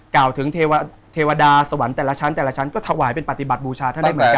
กล่าวถึงเทวดาสวรรค์แต่ละชั้นแต่ละชั้นก็ถวายเป็นปฏิบัติบูชาท่านได้เหมือนกัน